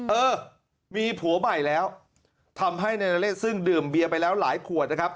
เออมีผัวใหม่แล้วทำให้นายนเรศซึ่งดื่มเบียร์ไปแล้วหลายขวดนะครับ